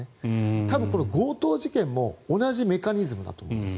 多分これ、強盗事件も同じメカニズムだと思うんですよ。